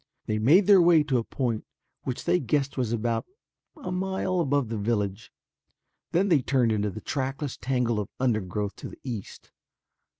They made their way to a point which they guessed was about a mile above the village, then they turned into the trackless tangle of undergrowth to the east.